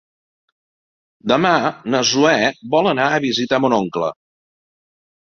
Demà na Zoè vol anar a visitar mon oncle.